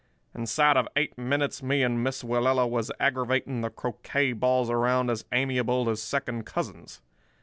Inside of eight minutes me and Miss Willella was aggravating the croquet balls around as amiable as second cousins.